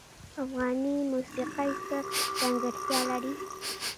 افغاني موسیقی څه ځانګړتیا لري؟